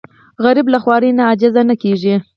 غریب له خوارۍ نه عاجز نه کېږي